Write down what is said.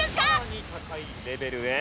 さらに高いレベルへ。